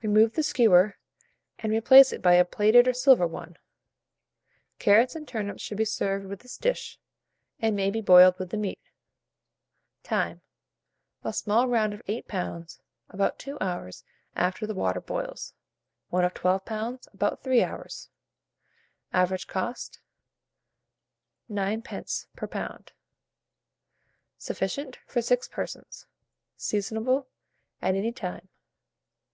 Remove the skewer, and replace it by a plated or silver one. Carrots and turnips should be served with this dish, and may be boiled with the meat. Time. A small round of 8 lbs., about 2 hours after the water boils; one of 12 lbs., about 3 hours. Average cost, 9d. per lb. Sufficient for 6 persons. Seasonable at any time.